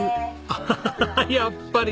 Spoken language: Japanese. アハハハやっぱり！